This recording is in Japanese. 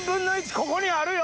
ここにあるよ！